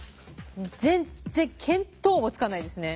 全然見当もつかないですね。